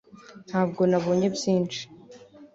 ntabwo nabonye byinshi